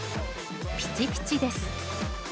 ぴちぴちです。